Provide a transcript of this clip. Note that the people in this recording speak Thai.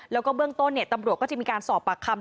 แล้วก็เบื้องต้นตำรวจก็จะมีการสอบปากคำ